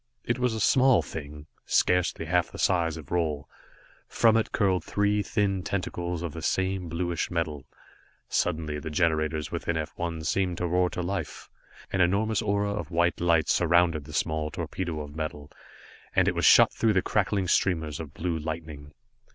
It was a small thing, scarcely half the size of Roal. From it curled three thin tentacles of the same bluish metal. Suddenly the generators within F 1 seemed to roar into life. An enormous aura of white light surrounded the small torpedo of metal, and it was shot through with crackling streamers of blue lightning.